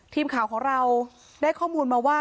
ทีมข่าวของเราได้ข้อมูลมาว่า